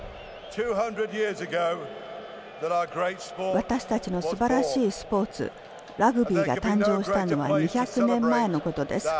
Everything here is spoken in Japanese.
私たちのすばらしいスポーツ、ラグビーが誕生したのは２００年前のことです。